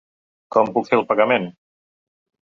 Com puc fer el pagament?